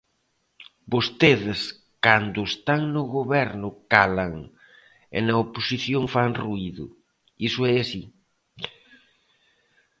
Vostedes cando están no goberno calan, e na oposición fan ruído, iso é así.